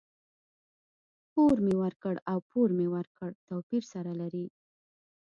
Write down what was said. پور مي ورکړ او پور مې ورکړ؛ توپير سره لري.